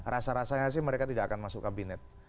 rasa rasanya sih mereka tidak akan masuk kabinet